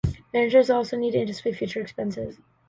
Managers also need to anticipate future expenses.